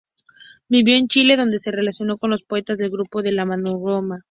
Vivió en Chile donde se relacionó con los poetas del "Grupo La Mandrágora".